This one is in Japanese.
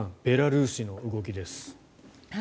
ベラルーシの動きです。